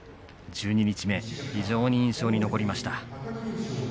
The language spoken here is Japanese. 十二日目非常に印象に残りました。